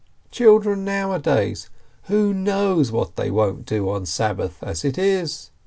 Children nowadays ! Who knows what they don't do on Sabbath, as it is!